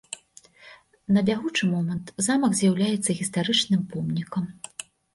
На бягучы момант замак з'яўляецца гістарычным помнікам.